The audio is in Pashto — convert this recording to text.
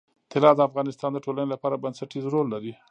طلا د افغانستان د ټولنې لپاره بنسټيز رول لري.